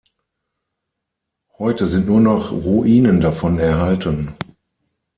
Heute sind nur noch Ruinen davon erhalten.